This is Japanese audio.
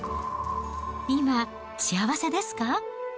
今、幸せですか？